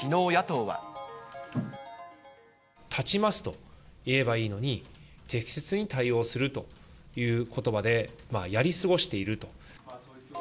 絶ちますと言えばいいのに、適切に対応するということばでやり過ごしていると。